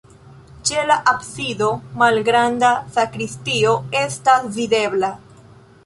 Ĉe la absido malgranda sakristio estas videbla.